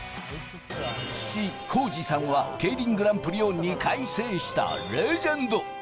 父・幸二さんはＫＥＩＲＩＮグランプリを２回制したレジェンド。